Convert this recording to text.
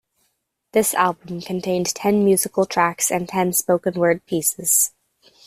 This album contained ten musical tracks and ten spoken-word pieces.